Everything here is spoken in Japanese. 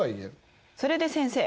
それで先生。